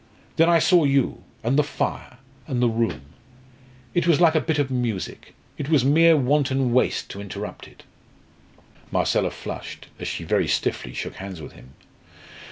Then I saw you and the fire and the room. It was like a bit of music. It was mere wanton waste to interrupt it." Marcella flushed, as she very stiffly shook hands with him.